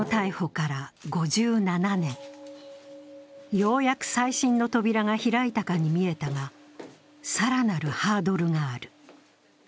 ようやく再審の扉が開いたかに見えたが、更なるハードルがある。